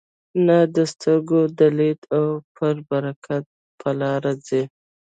نه د سترګو د لیدلو او پر برکت په لاره ځي.